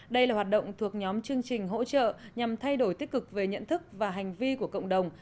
đây là hoạt động thuộc nhóm chương trình hỗ trợ nhằm thay đổi tích cực về nhận thức và hành vi của cộng đồng